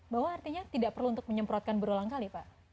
bahwa artinya tidak perlu untuk menyemprotkan berulang kali pak